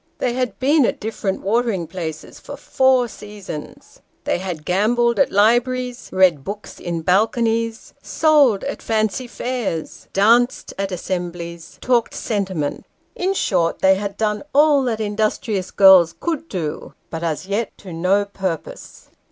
They had been at different watering places, for four seasons ; they had gambled at libraries, read books in balconies, sold at fancy fairs, danced at assemblies, talked sentiment in short, they had done all that industrious girls could do but, as yet, to no purpose.